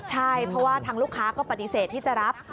ใช่เพราะว่าทางลูกค้าก็ปฏิเสธที่จะรับ